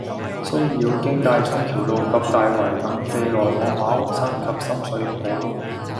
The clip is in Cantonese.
須繞經大涌橋路及大圍等地來往馬鞍山及深水埗，